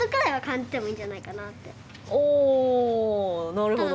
なるほど。